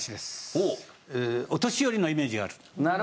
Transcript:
お年寄りのイメージがある。